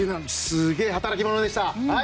すごい働き者でしたね。